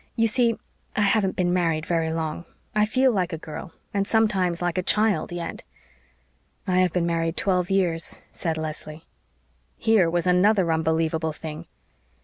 You see, I haven't been married very long. I feel like a girl, and sometimes like a child, yet." "I have been married twelve years," said Leslie. Here was another unbelievable thing.